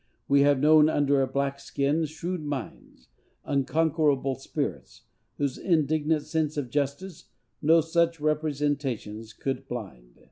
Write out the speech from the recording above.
We have known under a black skin shrewd minds, unconquerable spirits, whose indignant sense of justice no such representations could blind.